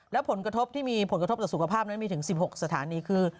และผลกระทบที่มีผลกระทบต่อสุขภาพนั้นมีถึง๑๖สถานีคือ